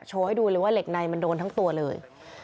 ให้ดูเลยว่าเหล็กในมันโดนทั้งตัวเลย